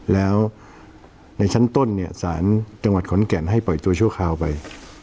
แล้วในชั้นต้นเนี่ยสารจังหวัดขอนแก่นให้ปล่อยตัวชั่วคราวไป